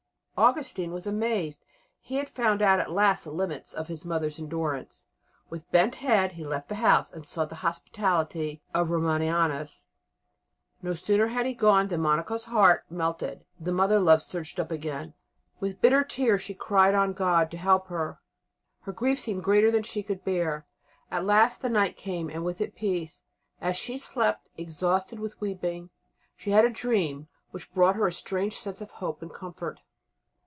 Augustine was amazed; he had found out at last the limits of his mother's endurance. With bent head he left the house and sought the hospitality of Romanianus. No sooner had he gone than Monica's heart melted, the mother love surged up again. With bitter tears she cried on God to help her; her grief seemed greater than she could bear. At last the night came, and with it peace. As she slept, exhausted with weeping, she had a dream which brought her a strange sense of hope and comfort.